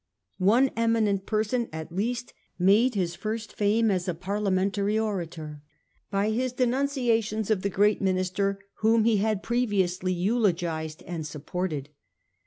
One eminent person at least made his first fame as a Parliamentary orator by his 326 A HISTORY OF OUR OWN TIMES. cn. sit. denunciations of the great Minister whom he had previously eulogised and supported.